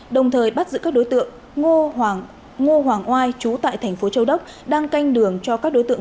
đồng thời bắt giữ các đối tượng ngô hoàng oai trú tại tp châu đốc đang canh đường cho các đối tượng